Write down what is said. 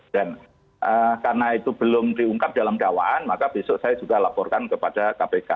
dan karena itu belum diungkap dalam dakwaan maka besok saya juga laporkan kepada kpk